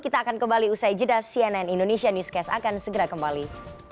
kita akan kembali usai jeda cnn indonesia newscast akan segera kembali